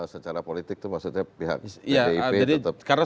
secara politik itu maksudnya pihak pdip tetap